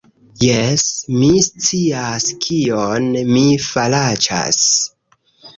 Jes, mi scias kion mi faraĉas